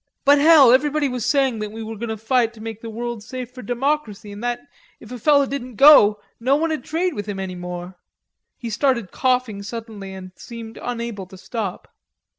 But, hell, everybody was saying that we was going to fight to make the world safe for democracy, and that, if a feller didn't go, no one'ld trade with him any more." He started coughing suddenly and seemed unable to stop.